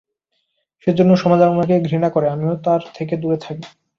সেজন্যে সমাজ আমাকে ঘৃণা করে, আমিও তার থেকে দূরে থাকি।